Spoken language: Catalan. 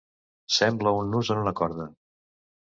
Sembla un nus en una corda.